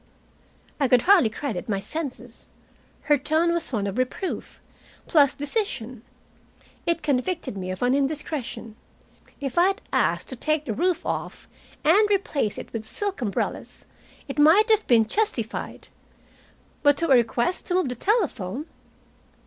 I could hardly credit my senses. Her tone was one of reproof, plus decision. It convicted me of an indiscretion. If I had asked to take the roof off and replace it with silk umbrellas, it might have been justified. But to a request to move the telephone!